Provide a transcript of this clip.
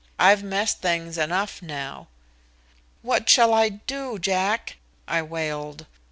I've messed things enough now." "What shall I do, Jack?" I wailed.